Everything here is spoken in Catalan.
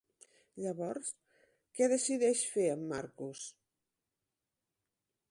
Llavors, què decideix fer en Marcus?